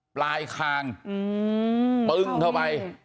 ปลายคางปึ้งเข้าไป